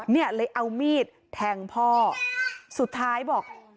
เนี่ยเลยเอามีดแทงพ่อสุดท้ายบอก